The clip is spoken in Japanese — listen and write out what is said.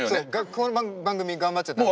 この番組頑張っちゃダメ。